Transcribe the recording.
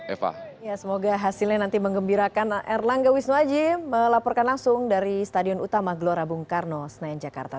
eva ya semoga hasilnya nanti mengembirakan erlangga wisnuaji melaporkan langsung dari stadion utama gelora bung karno senayan jakarta